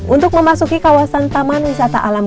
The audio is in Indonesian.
untuk memasuki kawasan taman wisata alam